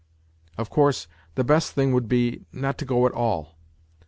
Of course, the best thing would be not to go at all.